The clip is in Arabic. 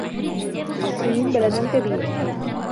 الصين بلد كبير